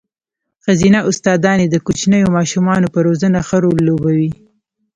ښځينه استاداني د کوچنيو ماشومانو په روزنه ښه رول لوبوي.